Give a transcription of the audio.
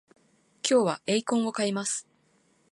今日はエイコンを買います